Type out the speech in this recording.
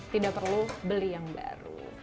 tidak perlu beli yang baru